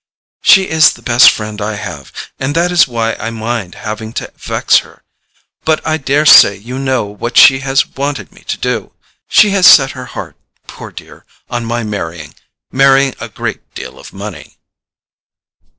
"She is the best friend I have, and that is why I mind having to vex her. But I daresay you know what she has wanted me to do. She has set her heart—poor dear—on my marrying—marrying a great deal of money."